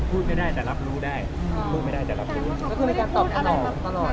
พูดไม่ได้แต่รับรู้ได้พูดไม่ได้แต่รับรู้ก็คือมีการตอบตลอดตลอด